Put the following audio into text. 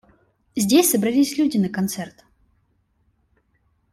Здесь собрались люди на концерт.